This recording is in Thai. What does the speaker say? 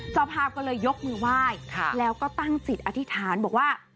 เจ้าภาพก็เลยยกมือไหว้แล้วก็ตั้งจิตอธิษฐานบอกว่า